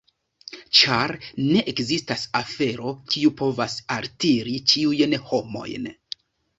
Ĉar ne ekzistas afero, kiu povas altiri ĉiujn homojn.